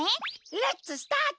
レッツスタート！